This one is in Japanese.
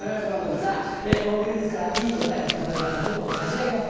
さぁ「大喜利」ですからいい答え言った方には座布団を差し上げます